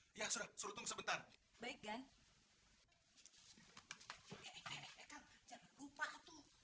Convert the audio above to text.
hai hai jiragan adekang samin mau bertemu jiragan adekang samin mau bertemu